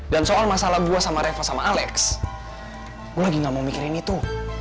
dan soal masalah gue sama reva sama alex gue lagi nggak mau mikirin itu